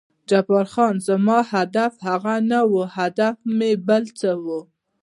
جبار خان: زما هدف هغه نه و، هدف مې بل څه و.